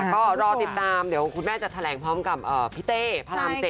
ก็รอติดตามเดี๋ยวคุณแม่จะแถลงพร้อมกับพี่เต้พระราม๗